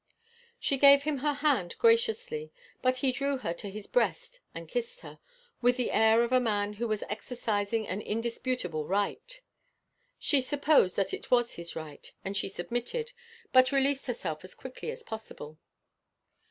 She gave him her hand graciously, but he drew her to his breast and kissed her, with the air of a man who was exercising an indisputable right. She supposed that it was his right, and she submitted, but released herself as quickly as possible.